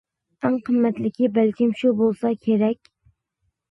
ئەڭ قىممەتلىكى بەلكىم شۇ بولسا كېرەك.